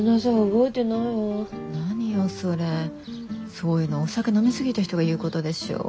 そういうのお酒飲み過ぎた人が言うことでしょ？